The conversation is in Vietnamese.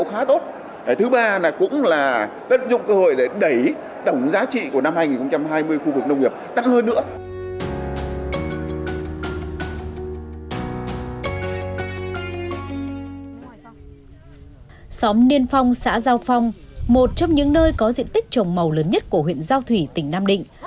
một trong những nơi có diện tích trồng màu lớn nhất của huyện giao thủy tỉnh nam định